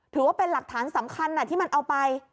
ถือว่าเป็นหลักฐานสำคัญที่มันเอาไป